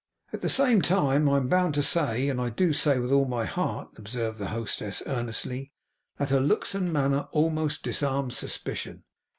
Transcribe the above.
'At the same time I am bound to say, and I do say with all my heart,' observed the hostess, earnestly, 'that her looks and manner almost disarm suspicion.